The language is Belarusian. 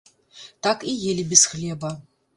Так і елі без хлеба.